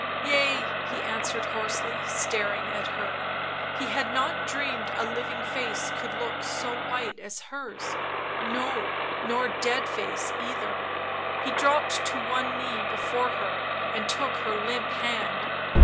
" Yea / 7 he answered hoarsely, staring at her ; he had not dreamed a living face could look so white as hers, no, nor dead face either. He dropped to one knee before her, and took her limp hand.